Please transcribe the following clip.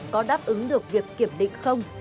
có đáp ứng được việc kiểm định không